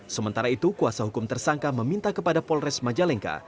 sementara itu kuasa hukum tersangka meminta kepada polres majalengka